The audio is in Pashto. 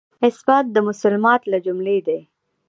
اثبات مسلمات له جملې دی.